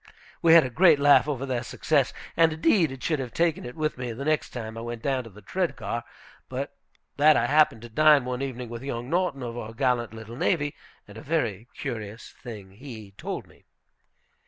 We had a great laugh over their success. And, indeed, I should have taken it with me the next time I went down to the Tredegar, but that I happened to dine one evening with young Norton of our gallant little navy, and a very curious thing he told us.